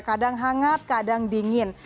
kadang hangat kadang dingin